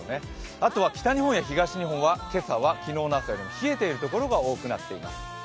あとは北日本や東日本は今朝は昨日の朝より冷えているところが多くなっています。